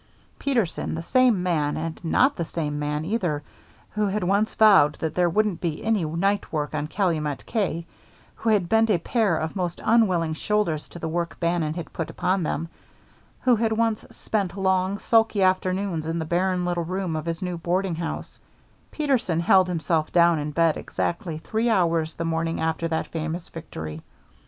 Peterson, the same man and not the same man either, who had once vowed that there wouldn't be any night work on Calumet K, who had bent a pair of most unwilling shoulders to the work Bannon had put upon them, who had once spent long, sulky afternoons in the barren little room of his new boarding house; Peterson held himself down in bed exactly three hours the morning after that famous victory.